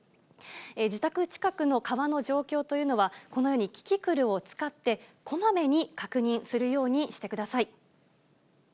自宅近くの川の状況というのは、このようにキキクルを使って、こまめに確認するようにしてください。